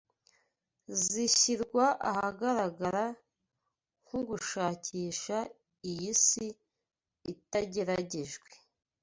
zishyirwa ahagaragara nku gushakisha iyi si itageragejwe